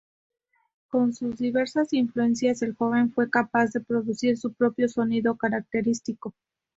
Con sus diversas influencias, el joven fue capaz de producir su propio sonido característico.